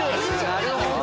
なるほど！